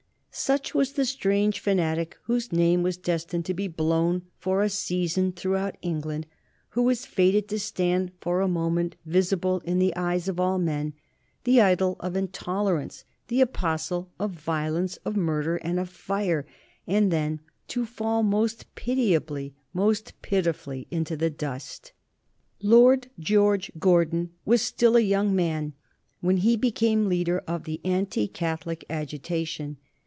Such was the strange fanatic whose name was destined to be blown for a season throughout England, who was fated to stand for a moment visible in the eyes of all men, the idol of intolerance, the apostle of violence, of murder, and of fire, and then to fall most pitiably, most pitifully into the dust. Lord George Gordon was still a young man when he became leader of the anti Catholic agitation.